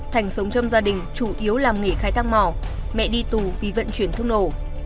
con gia đình chủ yếu làm nghề khai thác mỏ mẹ đi tù vì vận chuyển thức nổ